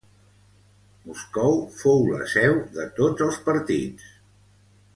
Moscou fou la seu de tots els partits.